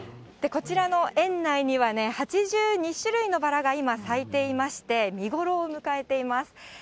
こちらの園内には、８２種類のバラが今、咲いていまして、見頃を迎えています。